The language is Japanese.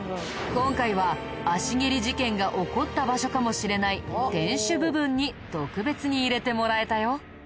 今回は足蹴り事件が起こった場所かもしれない天主部分に特別に入れてもらえたよ。